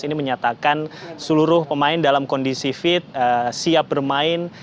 ini menyatakan seluruh pemain dalam kondisi fit siap bermain